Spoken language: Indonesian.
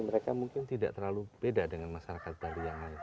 mereka mungkin tidak terlalu beda dengan masyarakat bali yang lain